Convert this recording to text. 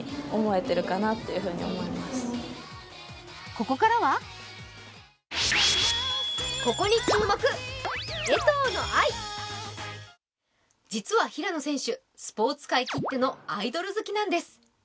ここからは実は平野選手、スポーツ界きってのアイドル好きなんです。